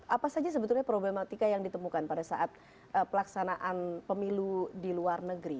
apa saja sebetulnya problematika yang ditemukan pada saat pelaksanaan pemilu di luar negeri